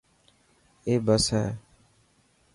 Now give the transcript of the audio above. اي بس هي.